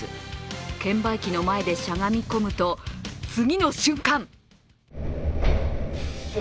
券売機の前でしゃがみ込むと、次の瞬間！